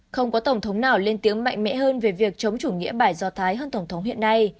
không có tổng thống nào lên tiếng mạnh mẽ hơn về việc chống chủ nghĩa bài do thái hơn tổng thống hiện nay